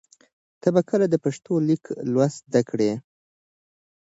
ته به کله د پښتو لیک لوست زده کړې؟